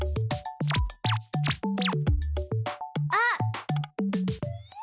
あっ！